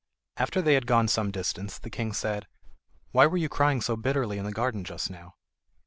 After they had gone some distance the king said: "Why were you crying so bitterly in the garden just now?"